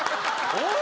おい！